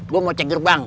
gue mau cek gerbang